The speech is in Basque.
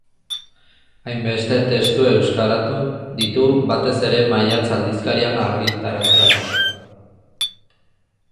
Hainbeste testu euskaratu ditu, batez ere Maiatz aldizkarian argitaratzeko.